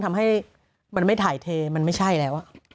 ทำให้มันไม่ถ่ายเทมันไม่ใช่แล้ว